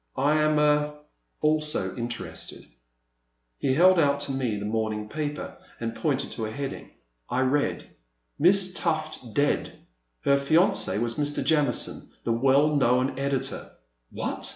I am — er — also interested." He held out to me a morning paper and pointed to a heading. I read :'* Miss Tufil Dead ! Her Fianc6 was Mr. Jamison, the well known Editor." '* What